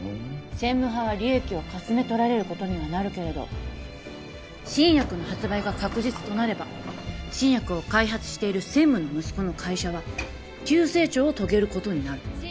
専務派は利益をかすめとられることにはなるけれど新薬の発売が確実となれば新薬を開発している専務の息子の会社は急成長を遂げることになる